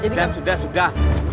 sudah sudah sudah